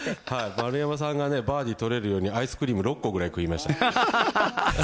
丸山さんがバーディーを取れるようにアイスを６個ぐらい食いました。